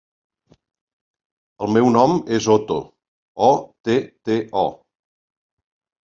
El meu nom és Otto: o, te, te, o.